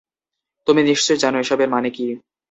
তুমি নিশ্চয়ই জানো এসবের মানে কি।